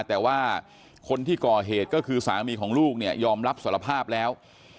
แต่ว่าคนที่ก่อเหตุก็คือสามีของลูกเนี่ยยอมรับสารภาพแล้ว